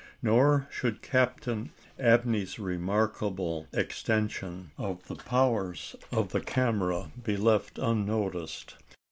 Nor should Captain Abney's remarkable extension of the powers of the camera be left unnoticed.